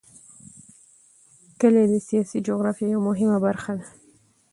کلي د سیاسي جغرافیه یوه مهمه برخه ده.